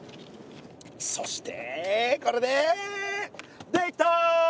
そしてこれでできた！